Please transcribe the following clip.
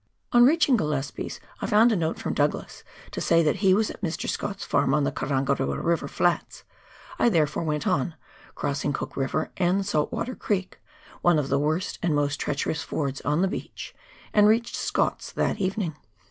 On reaching Gillespies I found a note from Douglas, to say that he was at Mr. Scott's farm on the Karangarua River flats ; I therefore went on, crossing Cook River and the Salt water Creek, one of the worst and most treacherous fords on the beach, and reached Scott's that evening.